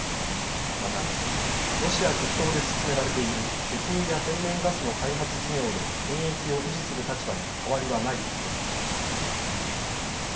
また、ロシア極東で進められている石油や天然ガスの開発事業の権益を維持する立場に変わりはないと強調しました。